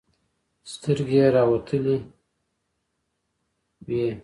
سترګې يې راوتلې وې.